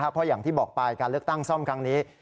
เพราะอย่างที่บอกไปการเลือกตั้งซ่อมครั้งนี้